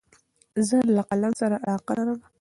زه له قلم سره علاقه لرم.